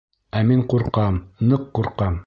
Ә мин ҡурҡам, ныҡ ҡурҡам.